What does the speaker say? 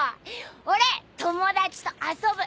俺友達と遊ぶ。